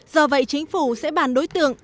do vậy chính phủ sẽ bàn đối tượng